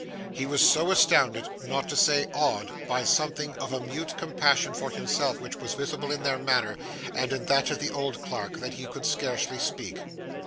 He was so astounded, not to say awed, by something of a mute compassion for himself which was visible in their manner and in that of the old clerk, that he could scarcely speak.